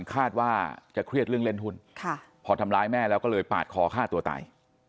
คาดว่าจะเครียดเรื่องเล่นหุ้นพอทำร้ายแม่แล้วก็เลยปาดคอฆ่าตัวตาย